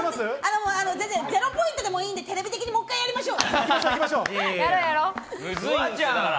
０ポイントでもいいので、テレビ的にもう１回やりましょう。